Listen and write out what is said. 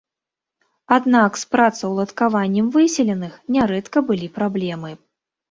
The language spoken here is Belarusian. Аднак з працаўладкаваннем выселеных нярэдка былі праблемы.